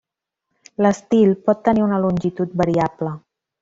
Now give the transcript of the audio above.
L'estil pot tenir una longitud variable.